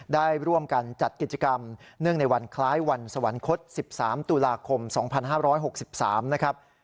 ได้ร่วมกันจัดกิจกรรมเนื่องในวันคล้ายวันสวรรคต๑๓ตุลาคม๒๕๖๓นะครับ